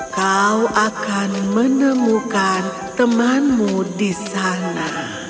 kau akan menemukan temanmu di sana